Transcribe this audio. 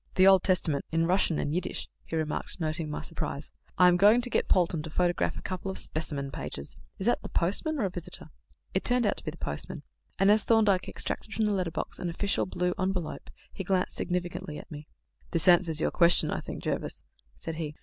"The Old Testament in Russian and Yiddish," he remarked, noting my surprise. "I am going to get Polton to photograph a couple of specimen pages is that the postman or a visitor?" It turned out to be the postman, and as Thorndyke extracted from the letter box a blue official envelope, he glanced significantly at me. "This answers your question, I think, Jervis," said he.